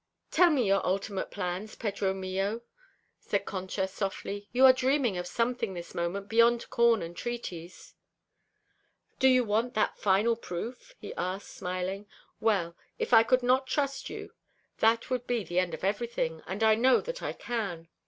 "Tell me your ultimate plans, Pedro mio," said Concha softly. "You are dreaming of something this moment beyond corn and treaties." "Do you want that final proof?" he asked, smiling. "Well, if I could not trust you that would be the end of everything, and I know that I can.